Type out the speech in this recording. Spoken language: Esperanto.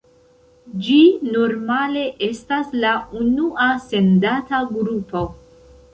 Ĝi normale estas la unua sendata grupo.